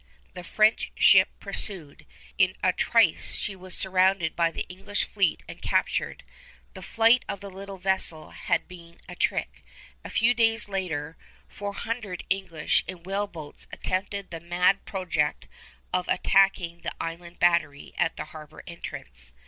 The French ship pursued. In a trice she was surrounded by the English fleet and captured. The flight of the little vessel had been a trick. A few days later four hundred English in whaleboats attempted the mad project of attacking the Island Battery at the harbor entrance.